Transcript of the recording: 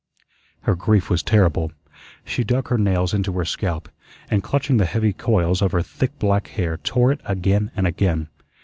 Her grief was terrible. She dug her nails into her scalp, and clutching the heavy coils of her thick black hair tore it again and again.